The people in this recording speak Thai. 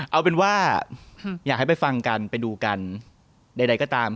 เอาเป็นว่าอยากให้ไปฟังกันไปดูกันใดก็ตาม